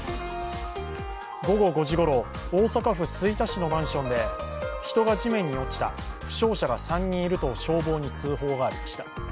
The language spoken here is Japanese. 午後５時ごろ、大阪府吹田市のマンションで人が地面に落ちた、負傷者が３人いると消防に通報がありました。